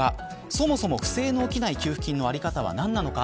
そもそも不正の起きない給付金の在り方は何なのか。